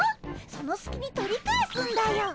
そのすきに取り返すんだよ！